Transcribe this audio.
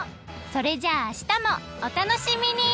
それじゃああしたもお楽しみに！